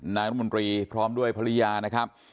นายรมนตรีพร้อมด้วยภรรยานะครับ